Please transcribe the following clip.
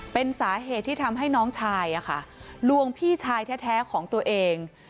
เป็นสาเหตุที่ทำให้น้องชายลวงพี่ชายแท้ของตัวเอง